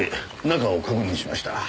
中を確認しました。